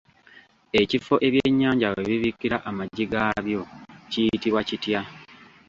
Ekifo ebyennyanja we bibiikira amagi gaabyo kiyitibwa kitya?